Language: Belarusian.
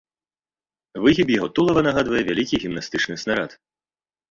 Выгіб яго тулава нагадвае вялікі гімнастычны снарад.